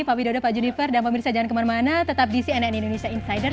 pak widodo pak juniper dan pemirsa jangan kemana mana tetap di cnn indonesia insider